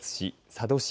佐渡市